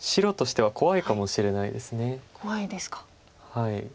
はい。